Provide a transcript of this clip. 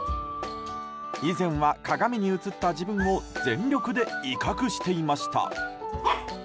以前は、鏡に映った自分を全力で威嚇していました。